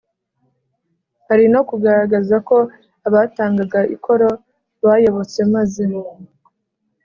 hari no kugaragaza ko abatangaga ikoro bayobotse maze